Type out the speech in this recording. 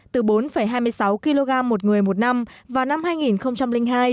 từ bốn hai mươi sáu kg một người một năm vào năm hai nghìn hai